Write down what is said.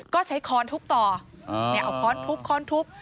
ก็ใช้ค้อนทุบต่อเอาค้อนทุบค้อนทุบ